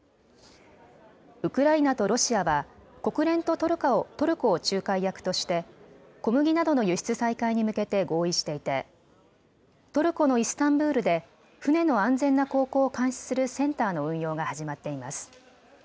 ウクライナとロシアは国連とトルコを仲介役として小麦などの輸出再開に向けて合意していてトルコのイスタンブールで船の安全な航行を監視するセンターの運用が始まっています。